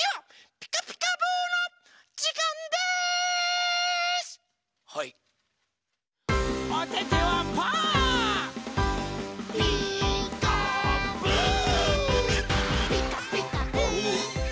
「ピカピカブ！ピカピカブ！」